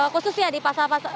khususnya di pasal pasal